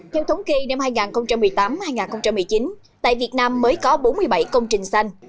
theo thống kê năm hai nghìn một mươi tám hai nghìn một mươi chín tại việt nam mới có bốn mươi bảy công trình xanh